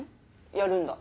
やるんだ？